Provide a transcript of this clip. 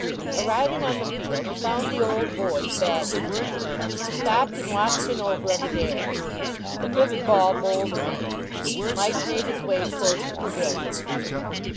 Arriving on the field he found the Old Boys batting. He stopped and watched an over of Adair's. The fifth ball bowled a man. Mike made his way towards the pavilion.